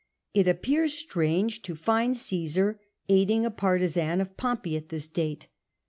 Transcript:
It appears strange to find Caesar aiding a partisan of Pompey at this date.